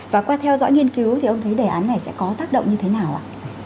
và qua theo dõi nghiên cứu thì ông thấy đề án này sẽ có tác động như thế nào ạ